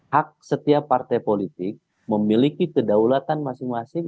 hak setiap partai politik memiliki kedaulatan masing masing